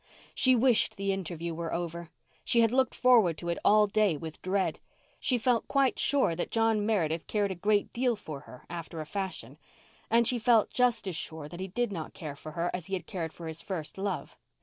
She wished the interview were over. She had looked forward to it all day with dread. She felt quite sure that John Meredith cared a great deal for her after a fashion—and she felt just as sure that he did not care for her as he had cared for his first love.